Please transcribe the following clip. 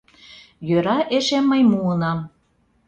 Йӧра эше мый муынам.